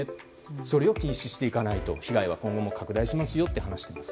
それを禁止しないと被害は今後も拡大しますよと話しています。